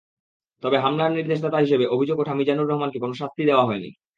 তবে হামলার নির্দেশদাতা হিসেবে অভিযোগ ওঠা মিজানুর রহমানকে কোনো শাস্তি দেওয়া হয়নি।